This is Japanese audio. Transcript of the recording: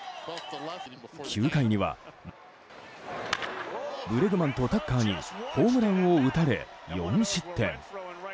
９回にはブレグマンとタッカーにホームランを打たれ、４失点。